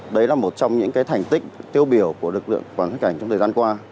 đấy là một trong những cái thành tích tiêu biểu của lực lượng quản lý xuất nhập cảnh trong thời gian qua